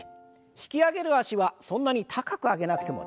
引き上げる脚はそんなに高く上げなくても大丈夫です。